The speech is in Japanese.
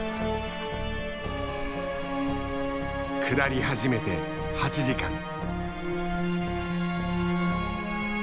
下り始めて８時間。